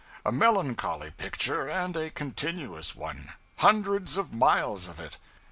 A melancholy picture, and a continuous one; hundreds of miles of it.